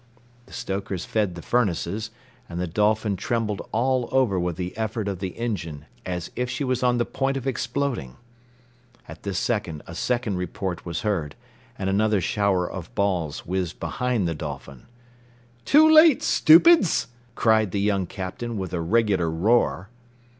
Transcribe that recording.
The stokers fed the furnaces, and the Dolphin trembled all over with the effort of the engine as if she was on the point of exploding. At this moment a second report was heard, and another shower of balls whizzed behind the Dolphin. "Too late, stupids," cried the young Captain, with a regular roar.